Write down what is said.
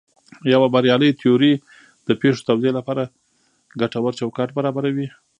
یوه بریالۍ تیوري د پېښو توضیح لپاره ګټور چوکاټ برابروي.